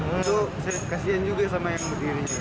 lalu saya kasihan juga sama yang berdiri